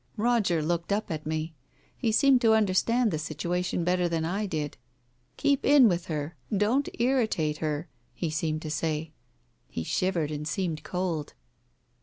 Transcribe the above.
Roger looked up at me. He seemed to understand the situation better than I did. "Keep in with her, don't irritate her !" he seemed to say. He shivered and seemed cold.